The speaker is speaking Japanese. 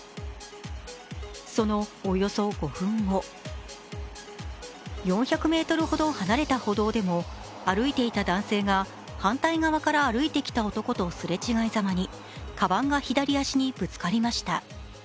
そのおよそ５分後４００ｍほど離れた歩道でも歩いていた男性が反対側から歩いてきた男とすれ違いざまにかばんが左足にぶつかりました。